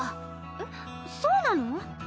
えっそうなの？